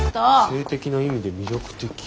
「性的な意味で魅力的」。